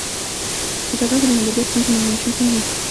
په جګړه کې د مدیریت ستونزې موجودې وې.